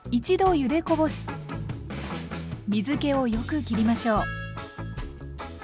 ゆでこぼし水けをよく切りましょう。